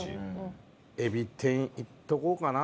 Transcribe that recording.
えび天いっとこうかな。